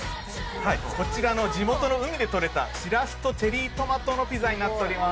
こちらの地元の海でとれたシラスとチェリートマトのピザになっております